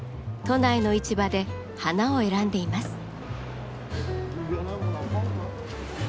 都内の市場で花を選んでいます。